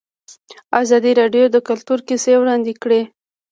ازادي راډیو د کلتور کیسې وړاندې کړي.